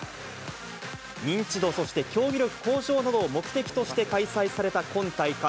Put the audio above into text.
認知度、そして競技力向上などを目的として開催された今大会。